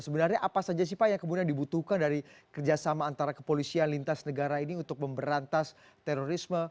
sebenarnya apa saja sih pak yang kemudian dibutuhkan dari kerjasama antara kepolisian lintas negara ini untuk memberantas terorisme